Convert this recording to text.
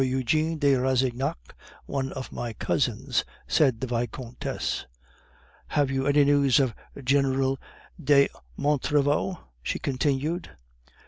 Eugene de Rastignac, one of my cousins," said the Vicomtesse. "Have you any news of General de Montriveau?" she continued.